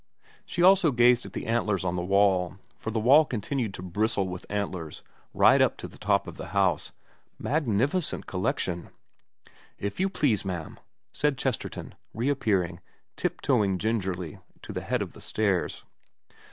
She also gazed at the antlers on the wall, for the wall continued to bristle with antlers right up to the top of the house. Magnificent collection. ' If you please, ma'am,' said Chesterton, reappearing, tiptoeing gingerly to the head of the stairs.